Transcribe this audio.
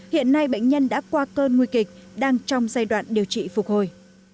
hiện nay bệnh nhân đã qua cơn nguy kịch đang trong giai đoạn điều trị phục hồi